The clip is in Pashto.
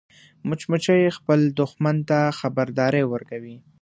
مچمچۍ خپل دښمن ته خبرداری ورکوي